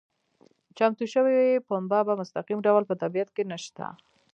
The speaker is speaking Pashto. چمتو شوې پنبه په مستقیم ډول په طبیعت کې نشته.